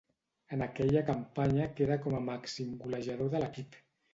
En aquella campanya queda com a màxim golejador de l'equip.